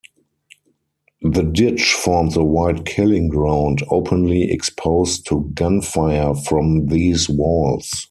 The ditch forms a wide killing ground openly exposed to gunfire from these walls.